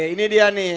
ini dia nih